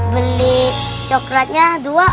beli coklatnya dua